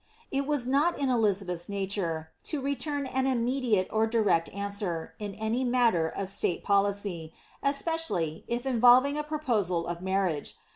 ^'' It was not in Elizabeth's nature to return an immediate or direct answer, in any matter of state policy, especially, if involving a proposal of marriage.